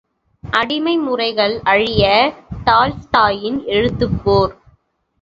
அடிமை முறைகள் அழிய டால்ஸ்டாயின் எழுத்துப்போர்!